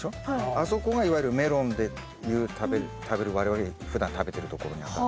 あそこがいわゆるメロンでいう食べる我々がふだん食べてるところにあたる。